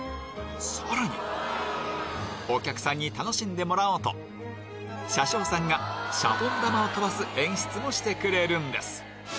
さらにお客さんに楽しんでもらおうと車掌さんがシャボン玉を飛ばす演出もしてくれるんです